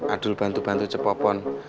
aduh bantu bantu cepopon